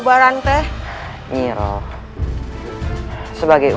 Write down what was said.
jaran balik swaggs ya itu